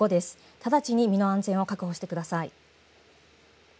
直ちに身の安全を確保してください。